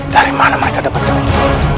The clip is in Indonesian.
dari mana mereka dapatkan itu